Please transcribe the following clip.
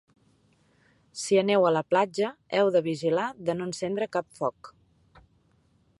Si aneu a la platja, heu de vigilar de no encendre cap foc.